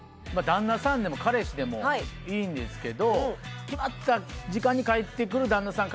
旦那さんでも彼氏でもいいんですけど決まった時間に帰ってくる旦那さん